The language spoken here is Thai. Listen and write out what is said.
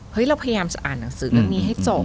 เราพยายามจะอ่านหนังสือเรื่องนี้ให้จบ